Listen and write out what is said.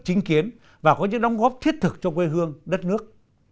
chính kiến và có những đóng góp thiết thực cho quê hương đất nước